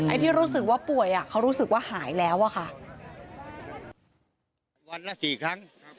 ไอ้ที่รู้สึกว่าป่วยเขารู้สึกว่าหายแล้วค่ะ